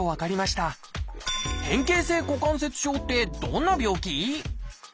変形性股関節症ってどんな病気？